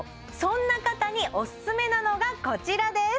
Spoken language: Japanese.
そんな方にオススメなのがこちらです